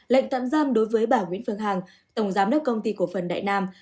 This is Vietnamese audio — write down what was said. lệnh tạm giam đối với bà nguyễn phương hằng tổng giám đốc công ty cổ phần đại nam